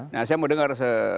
nah saya mau dengar